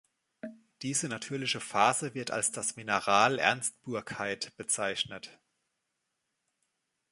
Diese natürliche Phase wird als das Mineral Ernstburkeit bezeichnet.